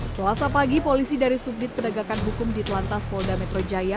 selasa pagi polisi dari subdit penegakan hukum di telantas polda metro jaya